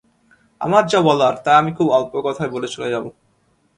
আমার যা বলার তা আমি খুব অল্প কথায় বলে চলে যাব।